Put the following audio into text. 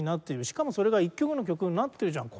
しかもそれが一曲の曲になってるじゃん。